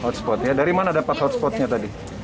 hotspot ya dari mana dapat hotspotnya tadi